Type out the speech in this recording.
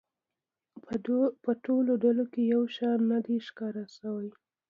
په ټولو ډلو کې یو شان نه دی ښکاره شوی.